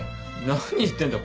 何言ってんだ。